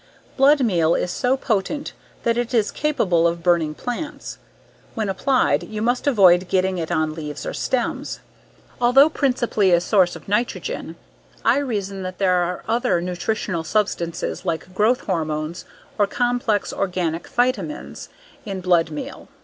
Blood meal is so potent that it is capable of burning plants; when applied you must avoid getting it on leaves or stems. Although principally a source of nitrogen, I reason that there are other nutritional substances like growth hormones or complex organic "phytamins" in blood meal.